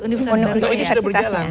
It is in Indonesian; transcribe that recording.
ini sudah berjalan